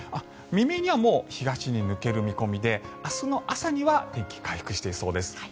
未明にはもう東に抜ける見込みで明日の朝には天気が回復していそうです。